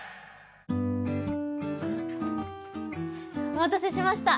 お待たせしました。